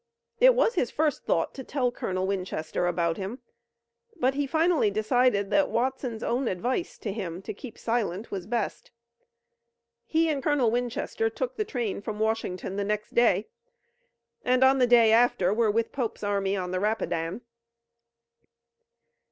It was his first thought to tell Colonel Winchester about him, but he finally decided that Watson's own advice to him to keep silent was best. He and Colonel Winchester took the train from Washington the next day, and on the day after were with Pope's army on the Rapidan.